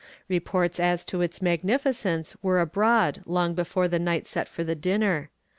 Reports as to its magnificence were abroad long before the night set for the dinner.